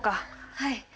はい。